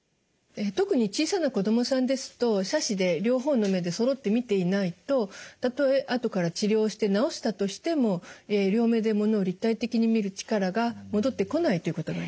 特に小さな子どもさんですと斜視で両方の目でそろって見ていないとたとえ後から治療して治したとしても両目で物を立体的に見る力が戻ってこないということになります。